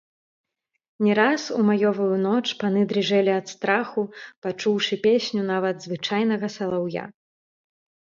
Не раз у маёвую ноч паны дрыжэлі ад страху, пачуўшы песню нават звычайнага салаўя.